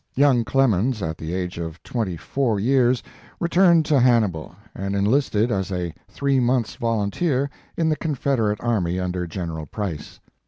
Young Clemens at the age of twenty four years, returned to Hannibal, and enlisted as a three months volunteer in the Confederate army under General Price.